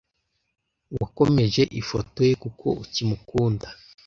Wakomeje ifoto ye kuko ukimukunda?